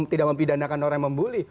tidak mempidanakan orang yang membuli